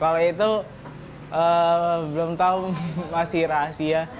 kalau itu belum tahu masih rahasia